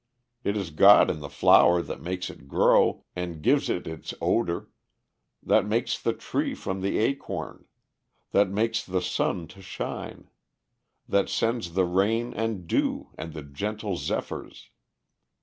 It is God in the flower that makes it grow and gives it its odor; that makes the tree from the acorn; that makes the sun to shine; that sends the rain and dew and the gentle zephyrs.